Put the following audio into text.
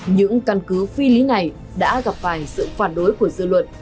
những căn cứ phi lý này đã gặp phải sự phản đối của dư luận